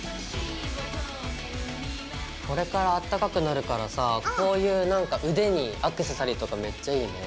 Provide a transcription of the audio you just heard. これからあったかくなるからさこういうなんか腕にアクセサリーとかめっちゃいいね。